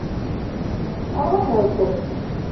Ruḥet!